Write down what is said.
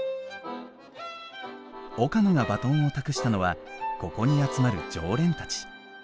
岡野がバトンを託したのはここに集まる常連たち。